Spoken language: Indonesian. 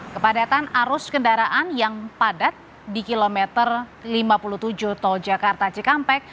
kepadatan arus kendaraan yang padat di kilometer lima puluh tujuh tol jakarta cikampek